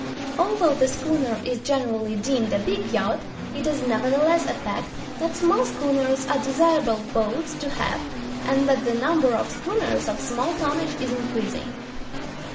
Although the schooner is generally deemed a big yacht, it is nevertheless a fact that small schooners are desirable boats to have, and that the number of schooners of small tonnage is increasing.